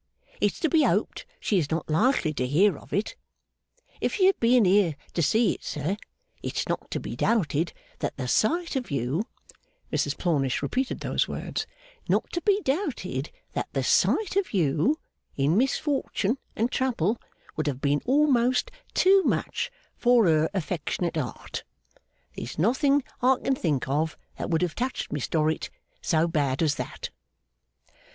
It's to be hoped she is not likely to hear of it. If she had been here to see it, sir, it's not to be doubted that the sight of you,' Mrs Plornish repeated those words 'not to be doubted, that the sight of you in misfortune and trouble, would have been almost too much for her affectionate heart. There's nothing I can think of, that would have touched Miss Dorrit so bad as that.